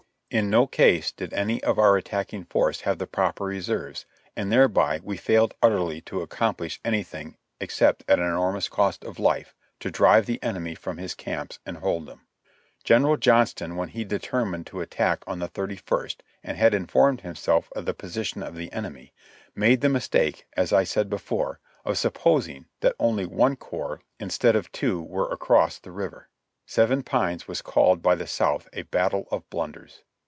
In no case did any of our attacking force have the proper reserves, and thereby we failed utterly to accomplish anything except at an enormous cost of life, to drive the enemy from his camps and hold them. General Johnston, when he determined to attack on the 31st, and had informed himself of the position of the enemy, made the mis take, as I said before, of supposing that only one corps instead of two were across the river. Seven Pines was called by the South a battle of blunders.